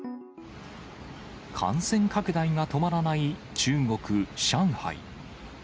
感染拡大が止まらない中国・上海。